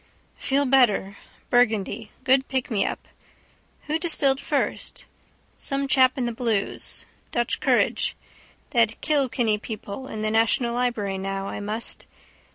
Feel better. Burgundy. Good pick me up. Who distilled first? Some chap in the blues. Dutch courage. That Kilkenny People in the national library now I must.